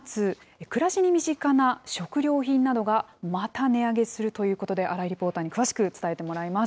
暮らしに身近な食料品などがまた値上げするということで、新井リポーターに詳しく伝えてもらいます。